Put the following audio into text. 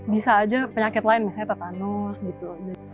bisa aja penyakit lain misalnya tetanus gitu